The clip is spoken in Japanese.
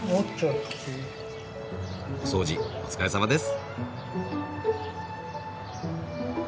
お掃除お疲れさまです。